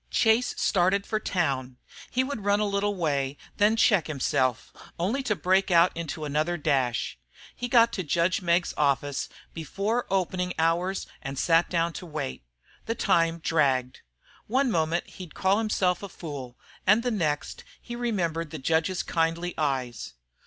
Chase started for town. He would run a little way, then check himself, only to break out into another dash. He got to judge Meggs's office before opening hours and sat down to wait. The time dragged. One moment he would call himself a fool and the next he remembered the judge's kindly eyes.